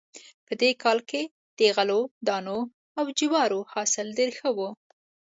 په دې کال کې د غلو دانو او جوارو حاصل ډېر ښه و